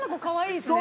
かわいい。